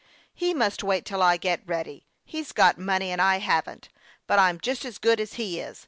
" He must wait till I get ready. He's got money, and I haven't ; but I'm just as good as he is.